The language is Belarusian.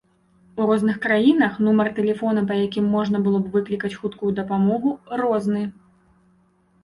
У розных краінах нумар тэлефона, па якім можна было б выклікаць хуткую дапамогу, розны.